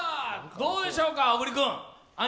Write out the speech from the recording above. どうでしょうか、小栗君？